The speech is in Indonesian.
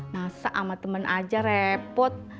masa sama temen aja repot